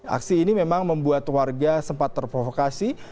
aksi ini memang membuat warga sempat terprovokasi